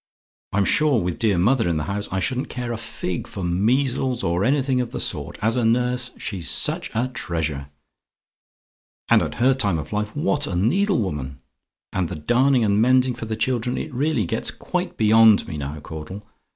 I'm sure, with dear mother in the house, I shouldn't care a fig for measles, or anything of the sort. As a nurse, she's such a treasure! "And at her time of life, what a needle woman! And the darning and mending for the children, it really gets quite beyond me now, Caudle.